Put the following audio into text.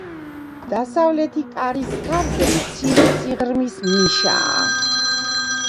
დასავლეთი კარის თავზე მცირე სიღრმის ნიშაა.